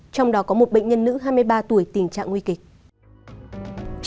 trong đó có một bệnh nhân nữ hai mươi ba tuổi tình trạng nguy kịch